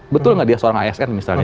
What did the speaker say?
betul nggak dia seorang asn misalnya